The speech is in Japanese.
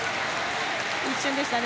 一瞬でしたね。